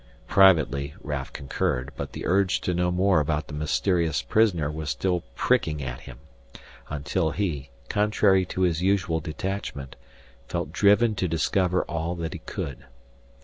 Privately Raf concurred, but the urge to know more about the mysterious prisoner was still pricking at him, until he, contrary to his usual detachment, felt driven to discover all that he could.